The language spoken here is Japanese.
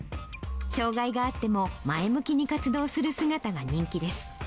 障がいがあっても、前向きに活動する姿が人気です。